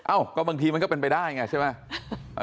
เอ้าก็บางทีมันก็เป็นไปได้ไงใช่ไหม